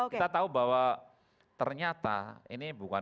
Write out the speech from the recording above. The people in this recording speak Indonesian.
kita tahu bahwa ternyata ini bukan